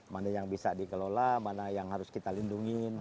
mana yang bisa dikelola mana yang harus kita lindungi